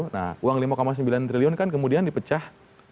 nah uang lima sembilan triliun kan kemudian dipecah